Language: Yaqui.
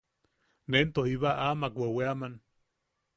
Nento jiba amak weweaman.